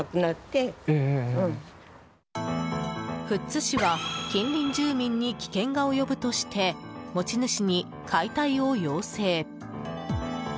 富津市は近隣住民に危険が及ぶとして持ち主に解体を要請。